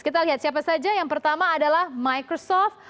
kita lihat siapa saja yang pertama adalah microsoft